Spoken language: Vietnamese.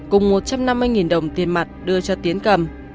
cùng một trăm năm mươi đồng tiền mặt đưa cho tiến cầm